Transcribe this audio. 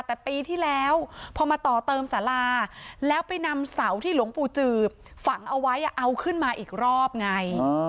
แต่ปีที่แล้วพอมาต่อเติมสาราแล้วไปนำเสาที่หลวงปู่จืบฝังเอาไว้เอาขึ้นมาอีกรอบไง